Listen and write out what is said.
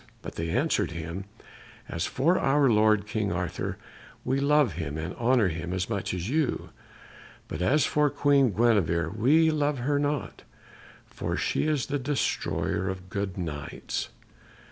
But they answered him: "As for our lord King Arthur, we love him and honour him as much as you; but as for Queen Guenevere, we love her not, for she is the destroyer of good Knights."